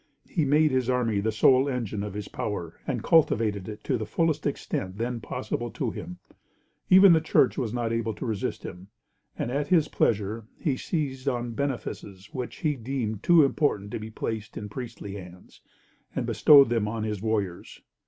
He made his army the sole engine of his power, and cultivated it to the fullest extent then possible to him. Even the Church was not able to resist him; and at his pleasure he seized on benefices which he deemed too important to be placed in priestly hands, and bestowed them on his warriors.